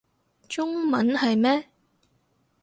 中文係咩